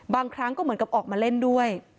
บางครั้งก็เหมือนกับออกมาเล่นด้วย